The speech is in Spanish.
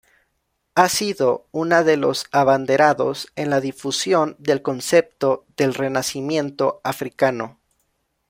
Ha sido una de los abanderados en la difusión del concepto del Renacimiento Africano.